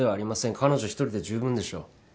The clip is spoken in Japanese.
彼女一人で十分でしょう。